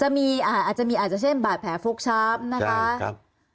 อาจจะมีอาจจะเช่นบาดแผลฟกช้ำนะคะ